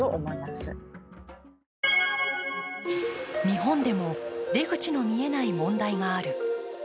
日本でも出口の見えない問題がある。